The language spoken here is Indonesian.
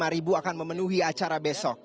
delapan puluh lima ribu akan memenuhi acara besok